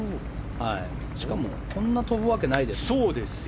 しかもこんな飛ぶわけないですよ。